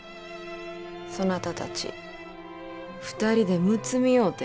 そなたたち２人でむつみ合うてみよ。